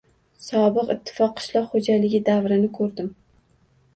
Sobiq ittifoq qishloq xo‘jaligi davrini ko‘rdim